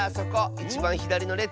いちばんひだりのれつ。